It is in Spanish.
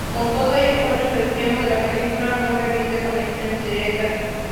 Con todo ello solo el extremo de la península no permite conexiones directas.